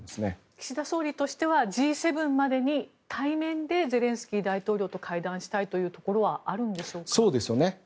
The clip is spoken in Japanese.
岸田総理としてはＧ７までに対面でゼレンスキー大統領と会談したいところはあるんでしょうか。